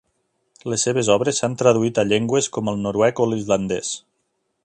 Les seves obres s'han traduït a llengües com el noruec o l'islandès.